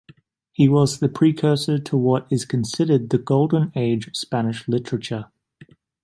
He was the precursor to what is considered the golden age of Spanish literature.